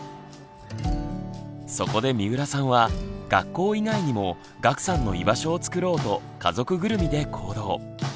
そこで三浦さんは学校以外にも岳さんの居場所をつくろうと家族ぐるみで行動。